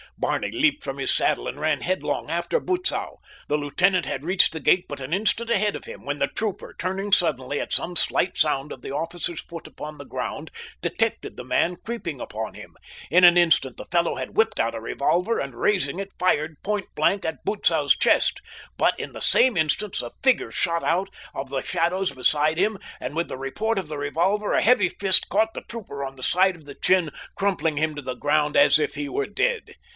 Barney leaped from his saddle and ran headlong after Butzow. The lieutenant had reached the gate but an instant ahead of him when the trooper, turning suddenly at some slight sound of the officer's foot upon the ground, detected the man creeping upon him. In an instant the fellow had whipped out a revolver, and raising it fired point blank at Butzow's chest; but in the same instant a figure shot out of the shadows beside him, and with the report of the revolver a heavy fist caught the trooper on the side of the chin, crumpling him to the ground as if he were dead.